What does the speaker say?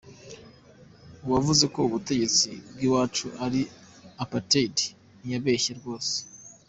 Uwavuze ko ubutegetse bwiwacu ari aparthied ntiyabeshye rwose